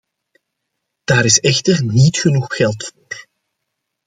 Daar is echter niet genoeg geld voor.